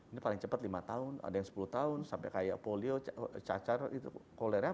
ini paling cepat lima tahun ada yang sepuluh tahun sampai kayak polio cacar itu kolera